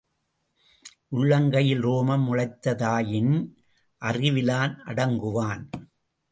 உள்ளங்கையில் ரோமம் முளைத்ததாயின் அறிவிலான் அடங்குவான்.